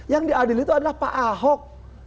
yang diadil itu adalah pak ahok